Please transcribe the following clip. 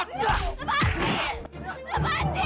timur pening sakit